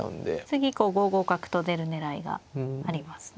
次５五角と出る狙いがありますね。